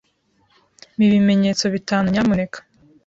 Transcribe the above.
Mpa ibimenyetso bitanu, nyamuneka.